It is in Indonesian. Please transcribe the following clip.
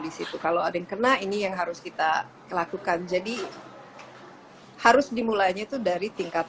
di situ kalau ada yang kena ini yang harus kita lakukan jadi harus dimulainya itu dari tingkat